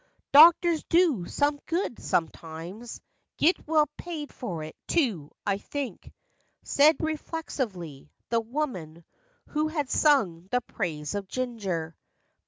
" Doctors do some good, sometimes; Git well paid for it, too, I think," Said, reflectively, the woman Who had sung the praise of ginger.